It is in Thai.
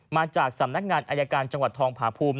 มาจากสำนักงานอายการจังหวัดทองผาภูมิ